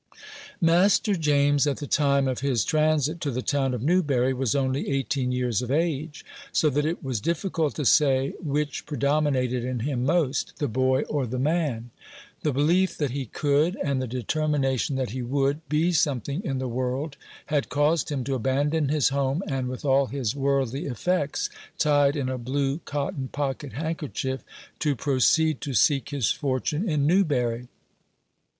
Master James, at the time of his transit to the town of Newbury, was only eighteen years of age; so that it was difficult to say which predominated in him most, the boy or the man. The belief that he could, and the determination that he would, be something in the world had caused him to abandon his home, and, with all his worldly effects tied in a blue cotton pocket handkerchief, to proceed to seek his fortune in Newbury.